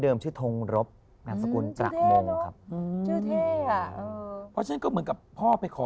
เดิมชื่อทรงรบสกุลประโมงครับเพราะฉันก็เหมือนกับพ่อไปขอ